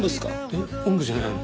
えっおんぶじゃないの？